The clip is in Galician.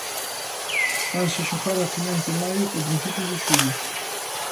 Vanse xogar a finais de maio ou principios de xuño.